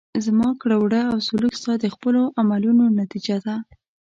زما کړه وړه او سلوک ستا د خپلو عملونو نتیجه ده.